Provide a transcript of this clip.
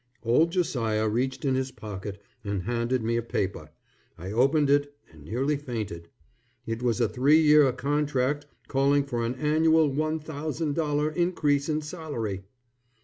Old Josiah reached in his pocket and handed me a paper. I opened it and nearly fainted. It was a three year contract calling for an annual $1000 increase in salary.